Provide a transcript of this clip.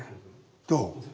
どう？